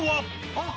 あっ！